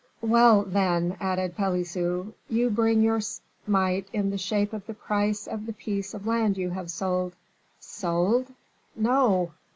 "Well, then," added Pelisson, "you bring your mite in the shape of the price of the piece of land you have sold?" "Sold? no!"